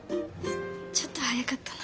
ちょっと早かったな。